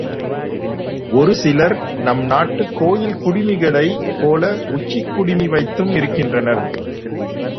ஒரு சிலர் நம் நாட்டுக் கோயில் குடுமிகளைப் போல உச்சிக் குடுமி வைத்தும் இருக்தின்றனர்.